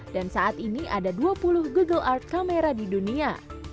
dan saat ini ada dua puluh google art camera di dunia